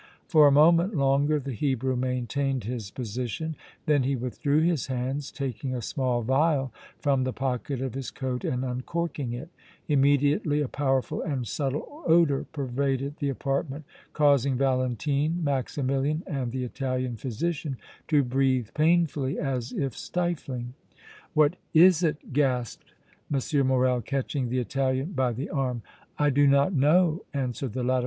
For a moment longer the Hebrew maintained his position; then he withdrew his hands, taking a small vial from the pocket of his coat and uncorking it; immediately a powerful and subtle odor pervaded the apartment, causing Valentine, Maximilian and the Italian physician to breathe painfully, as if stifling. "What is it?" gasped M. Morrel, catching the Italian by the arm. "I do not know," answered the latter.